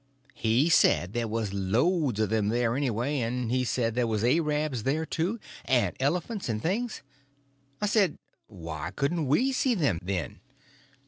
He said there was loads of them there, anyway; and he said there was A rabs there, too, and elephants and things. I said, why couldn't we see them, then?